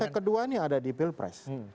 yang kedua ini ada di pilpres